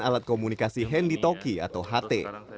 alat komunikasi handy talkie atau ht